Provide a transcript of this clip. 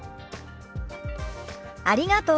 ありがとう。